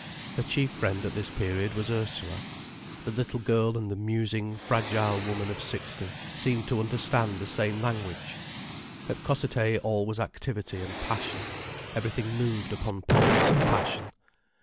Her chief friend at this period was Ursula. The little girl and the musing, fragile woman of sixty seemed to understand the same language. At Cossethay all was activity and passion, everything moved upon poles of passion.